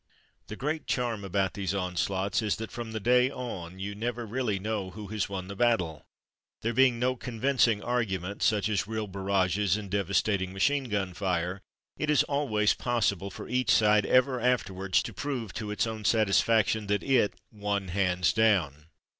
The great charm about these onslaughts is that from that day on you never really know who has won the battle. There be ing no convincing argument such as real barrages and devastating machine gun fire, it is always possible for each side ever after wards to prove to its own satisfaction that it ''won hands down.""